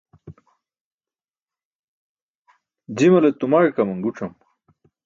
Jimale tumaẏ kaman guc̣am.